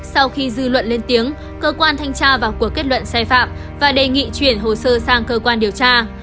sau khi dư luận lên tiếng cơ quan thanh tra vào cuộc kết luận sai phạm và đề nghị chuyển hồ sơ sang cơ quan điều tra